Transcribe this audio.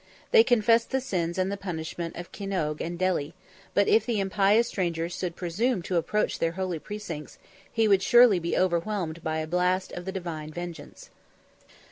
They confessed the sins and the punishment of Kinnoge and Delhi; but if the impious stranger should presume to approach their holy precincts, he would surely be overwhelmed by a blast of the divine vengeance.